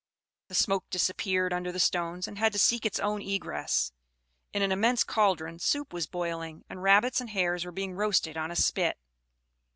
The smoke disappeared under the stones, and had to seek its own egress. In an immense caldron soup was boiling; and rabbits and hares were being roasted on a spit.